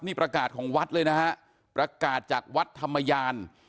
นี่ประกาศของวัดเลยนะฮะประกาศจากวัดธรรมยาน